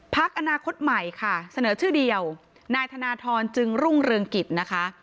พักอนาคตใหม่ค่ะเสนอชื่อเดียวนายธนทรจึงรุ่งเรืองกิจนะคะ